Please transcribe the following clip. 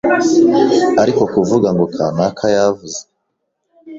ariko kuvuga ngo kanaka yavuze